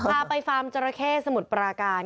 พาไปฟาร์มจราเข้สมุทรปราการ